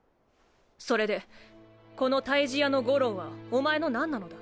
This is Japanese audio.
それでこの退治屋の五郎はおまえのなんなのだ？